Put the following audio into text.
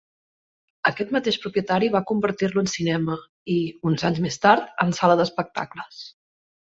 Aquest mateix propietari va convertir-lo en cinema i, uns anys més tard, en sala d'espectacles.